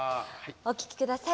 お聴きください。